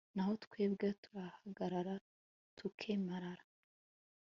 naho twebwe turahagarara, tukemarara